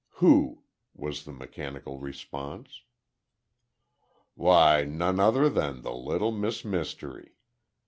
"Who?" was the mechanical response. "Why, none other than the little Miss Mystery.